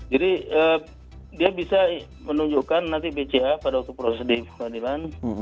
jadi dia bisa menunjukkan nanti bca pada waktu prosedur kehadiran